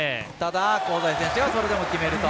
香西選手がそれでも決めると。